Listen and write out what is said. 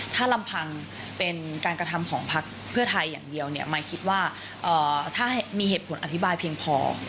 ถ้าลำพังเป็นการกระทำของพักเพื่อไทยอย่างเดียวเนี่ยมายคิดว่าถ้ามีเหตุผลอธิบายเพียงพอ